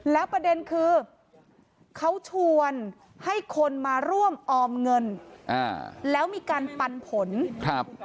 แล้วประเด็นคือเขาชวนให้คนมาร่วมออมเงินอ่าแล้วมีการปันผลครับ